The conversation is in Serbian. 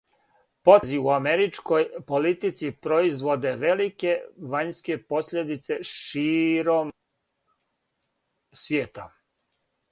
Потези у америчкој политици производе велике вањске посљедице широм свијета.